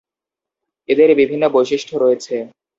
এদের বিভিন্ন বৈশিষ্ট্য রয়েছে।